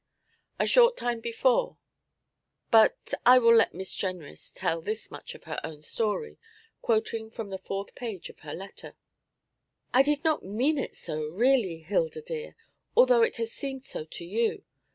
A short time before but I will let Miss Jenrys tell this much of her own story, quoting from the fourth page of her letter: 'I did not mean it so, really, Hilda dear, although it has seemed so to you.